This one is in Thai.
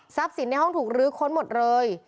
สินในห้องถูกลื้อค้นหมดเลย